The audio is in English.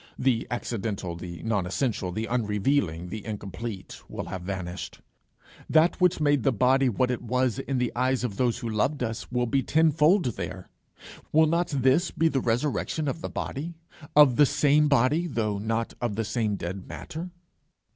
The accidental, the nonessential, the unrevealing, the incomplete will have vanished. That which made the body what it was in the eyes of those who loved us will be tenfold there. Will not this be the resurrection of the body? of the same body though not of the same dead matter?